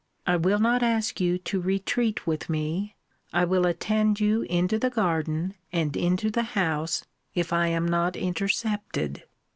I will not ask you to retreat with me; I will attend you into the garden, and into the house, if I am not intercepted.